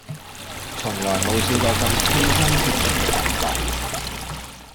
從來冇試過咁清新脫俗嘅感覺